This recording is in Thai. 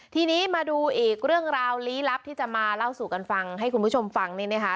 ทีนี้มาดูอีกเรื่องราวลี้ลับที่จะมาเล่าสู่กันฟังให้คุณผู้ชมฟังนี่นะคะ